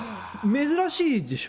珍しいでしょ？